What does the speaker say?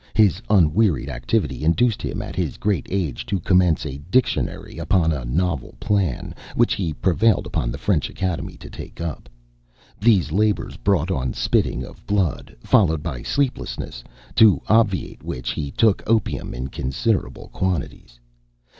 His unwearied activity induced him, at his great age, to commence a "Dictionary" upon a novel plan, which he prevailed upon the French Academy to take up. These labors brought on spitting of blood, followed by sleeplessness, to obviate which he took opium in considerable quantities.